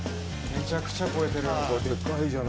めちゃくちゃ肥えてる。